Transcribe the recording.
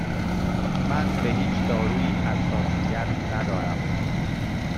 من به هیچ دارویی حساسیت ندارم.